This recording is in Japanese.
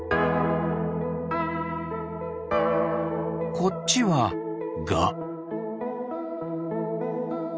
こっちはガ。